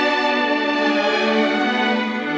dan kita harus menjaga rena